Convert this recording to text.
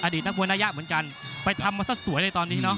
ดีตนักมวยนายะเหมือนกันไปทำมาซะสวยเลยตอนนี้เนาะ